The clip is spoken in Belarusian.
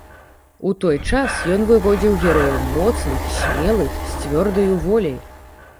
У той час ён выводзіў герояў моцных, смелых, з цвёрдаю воляй.